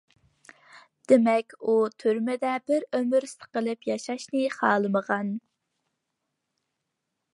دېمەك، ئۇ تۈرمىدە بىر ئۆمۈر سىقىلىپ ياشاشنى خالىمىغان.